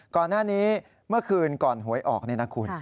ก่อนหน้านี้เมื่อคืนก่อนหวยออกนี่นะคุณ